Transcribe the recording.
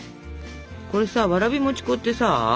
これさわらび餅粉ってさ